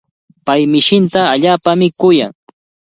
Pay mishinta allaapami kuyan.